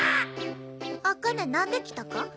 あかねなんで来たか？